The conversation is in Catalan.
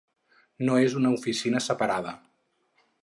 No és una oficina separada.